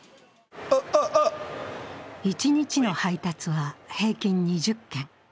一日の配達は平均２０件。